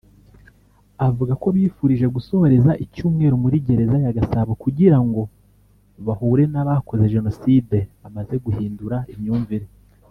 avuga ko bifuje gusoreza icyumweru muri Gereza ya Gasabo kugirango bahure n’abakoze jenoside bamaze guhindura imyumvire